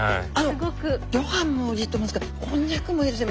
ギョ飯もいいと思うんですけどこんにゃくもいいですね。